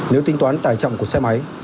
nếu tính toán tài trọng của xe máy